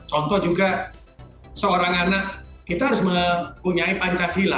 contoh juga seorang anak kita harus mempunyai pancasila